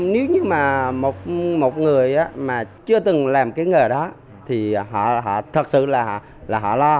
nếu như mà một người mà chưa từng làm cái nghề đó thì họ thật sự là họ lo